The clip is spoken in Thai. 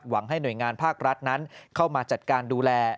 ให้หน่วยงานภาครัฐนั้นเข้ามาจัดการดูแล